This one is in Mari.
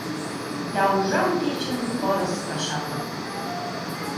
Да ужам кечын пырыс кашакым